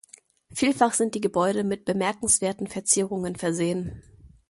Vielfach sind die Gebäude mit bemerkenswerten Verzierungen versehen.